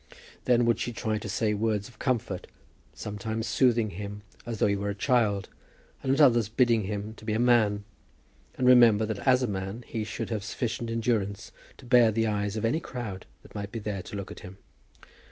Then would she try to say words of comfort, sometimes soothing him as though he were a child, and at others bidding him be a man, and remember that as a man he should have sufficient endurance to bear the eyes of any crowd that might be there to look at him.